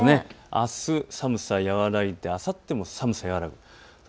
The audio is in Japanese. あす寒さは和らいであさっても寒さは和らぐ。